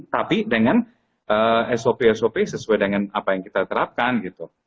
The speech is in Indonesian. tapi dengan sop sop sesuai dengan apa yang kita terapkan gitu